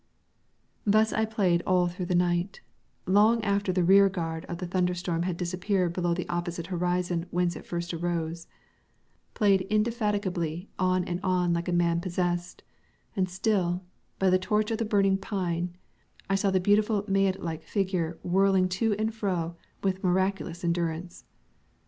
Thus I played all through the night, long after the rear guard of the thunder storm had disappeared below the opposite horizon whence it first arose played indefatigably on and on like a man possessed, and still, by the torch of the burning pine, I saw the beautiful mænad like figure whirling to and fro with miraculous endurance.